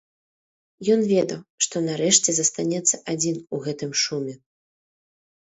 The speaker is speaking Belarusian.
Ён ведаў, што нарэшце застанецца адзін у гэтым шуме.